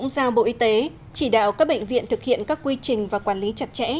giao bộ y tế chỉ đạo các bệnh viện thực hiện các quy trình và quản lý chặt chẽ